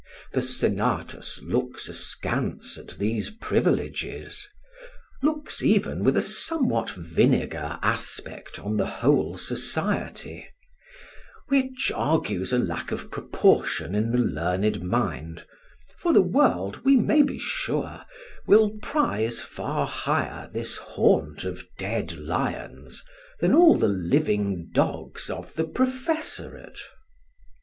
The Senatus looks askance at these privileges; looks even with a somewhat vinegar aspect on the whole society; which argues a lack of proportion in the learned mind, for the world, we may be sure, will prize far higher this haunt of dead lions than all the living dogs of the professorate.